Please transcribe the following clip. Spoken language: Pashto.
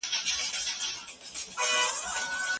ستا دي په یاد وي چي دا ښکلی وطن